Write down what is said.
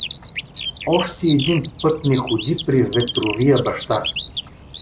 Още един път не ходи при Ветровия баща.